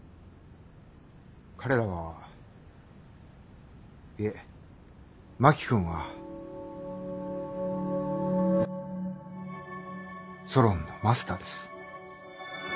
彼らはいえ真木君はソロンのマスターです。